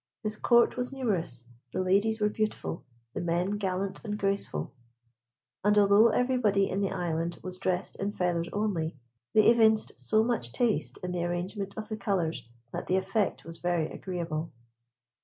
His Court was numerous, the ladies were beautiful; the men gallant and graceful; and although everybody in the Island was dressed in feathers only, they evinced so much taste in the arrangement of the colours, that the effect was very agreeable.